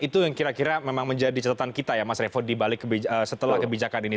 itu yang kira kira memang menjadi catatan kita ya mas revo setelah kebijakan ini